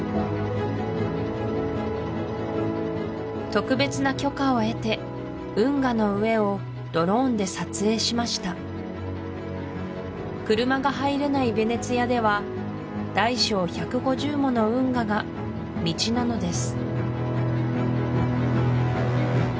特別な許可を得て運河の上をドローンで撮影しました車が入れないヴェネツィアでは大小１５０もの運河が道なのです